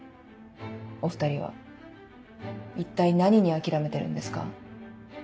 お２人は一体何に諦めてるんですか？